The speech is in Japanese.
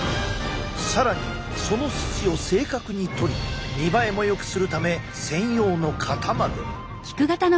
更にその筋を正確に取り見栄えもよくするため専用の型まで。